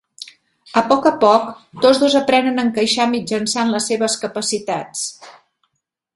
A poc a poc, tots dos aprenen a encaixar mitjançant les seves capacitats.